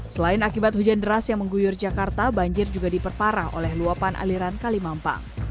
selain akibat hujan deras yang mengguyur jakarta banjir juga diperparah oleh luapan aliran kalimampang